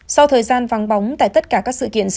sau thời gian vắng bóng tại tất cả các sự kiện